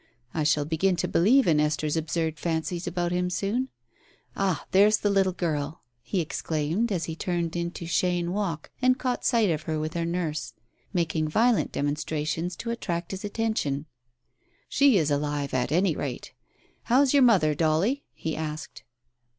I shall begin to believe in Esther's absurd fancies about him soon. Ah, there's the little girl !" he exclaimed, as he turned into Cheyne Walk and caught sight of her with her nurse, making violent demonstra tions to attract his attention. "She is alive, at any rate. How is your mother, Dolly ?" he asked.